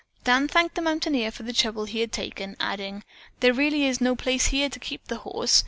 Dan thanked the mountaineer for the trouble he had taken, adding, "There really is no place here to keep the horse.